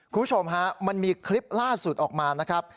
คุณผู้ชมฮะมันมีคลิปล่าสุดออกมานะครับ